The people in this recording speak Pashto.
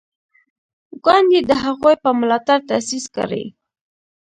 ګوند یې د هغوی په ملاتړ تاسیس کړی.